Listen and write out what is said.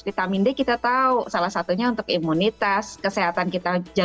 vitamin d kita tahu salah satunya untuk imunitas kesehatan kita